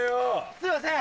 すいません！